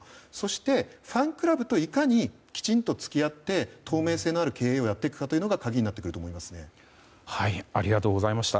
そしてファンクラブといかにきちんと付き合って透明性のある経営をやっていくかがありがとうございました。